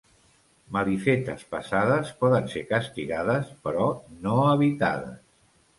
Malifetes passades poden ser castigades, però no evitades.